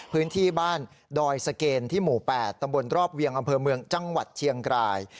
พื้นที่บ้านดอยสเกณฑ์ที่หมู่๘ตำบลรอบเวียงอำเภอเมืองจังหวัดเชียงราย